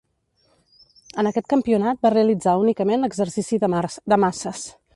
En aquest campionat va realitzar únicament l'exercici de maces.